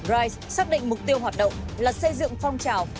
rise xác định mục tiêu hoạt động là xây dựng phong trào